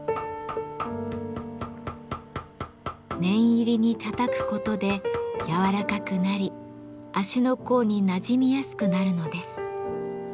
念入りにたたくことで柔らかくなり足の甲になじみやすくなるのです。